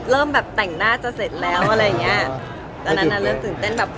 เริ่มแบบแต่งหน้าจะเสร็จแล้วอะไรอย่างเงี้ยตอนนั้นน่ะเริ่มตื่นเต้นแบบ